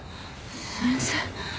先生？